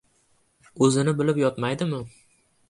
O‘zini bilib yotmaydimi?